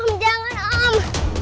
om jangan om